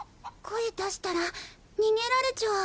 声出したら逃げられちゃう